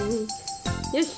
よし。